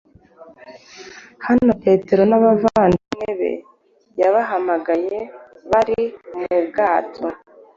naho Petero n’abavandimwe be yabahamagaye bari mu bwato